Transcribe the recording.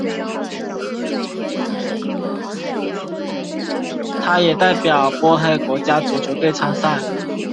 他也代表波黑国家足球队参赛。